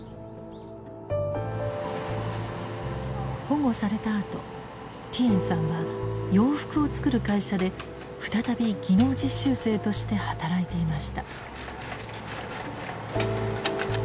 保護されたあとティエンさんは洋服を作る会社で再び技能実習生として働いていました。